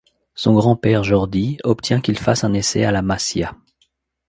Son grand-père Jordi obtient qu'il fasse un essai à La Masia.